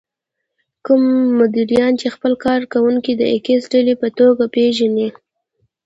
کوم مديران چې خپل کار کوونکي د ايکس ډلې په توګه پېژني.